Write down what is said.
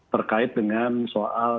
berkait dengan soal